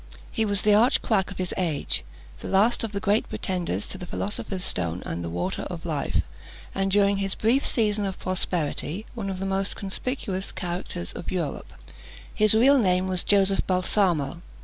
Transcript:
He was the arch quack of his age, the last of the great pretenders to the philosopher's stone and the water of life, and during his brief season of prosperity, one of the most conspicuous characters of Europe. His real name was Joseph Balsamo.